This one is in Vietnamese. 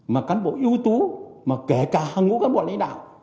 mà cán bộ yếu tố mà kể cả hàng ngũ cán bộ lãnh đạo